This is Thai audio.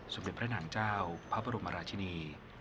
สมเด็จพระนางเจ้าพระบรมราชินี